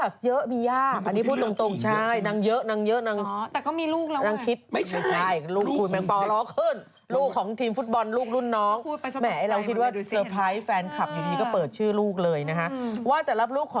คุณจะไปคุยให้รู้เรื่องกับเขาก็ยาก